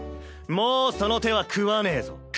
もうその手は食わねぇぞ。